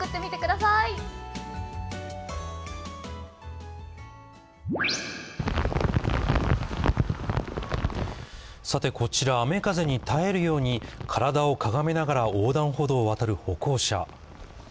さてこちら雨風に耐えるように体をかがめながら横断歩道を渡る歩行者。